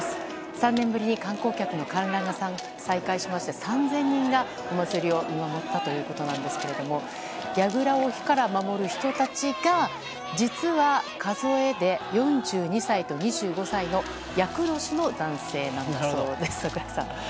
３年ぶりに観光客の観覧が再開しまして３０００人がお祭りを見守ったということなんですけれどもやぐらを火から守る人たちが実は、数えで４２歳と２５歳の厄年の男性なんだそうです櫻井さん。